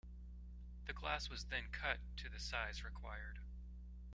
The glass was then cut to the size required.